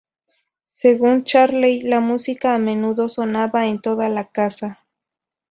Según Charley, la música a menudo sonaba en toda la casa.